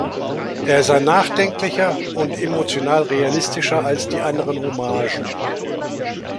Er sei nachdenklicher und emotional realistischer als die anderen Hommagen.